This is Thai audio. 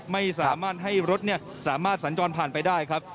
ไม่สามารถให้รถจันจอนผ่านไปได้